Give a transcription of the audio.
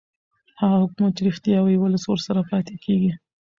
هغه حکومت چې رښتیا وايي ولس ورسره پاتې کېږي